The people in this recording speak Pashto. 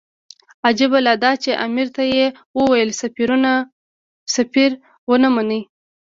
عجیبه لا دا چې امیر ته یې وویل سفیر ونه مني.